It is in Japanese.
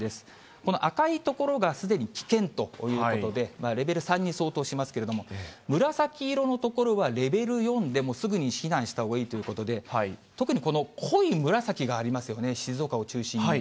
この赤い所がすでに危険ということで、レベル３に相当しますけれども、紫色の所はレベル４で、もうすぐに避難したほうがいいということで、特にこの濃い紫がありますよね、静岡を中心に。